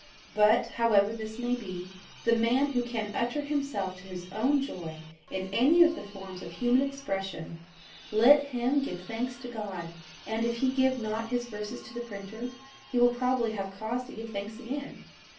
But, however this may be, the man who can utter himself to his own joy in any of the forms of human expression let him give thanks to God; and, if he give not his verses to the printer, he will probably have cause to give thanks again.